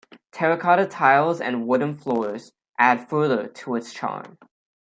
Terracotta tiles and wooden floors add further to its charm.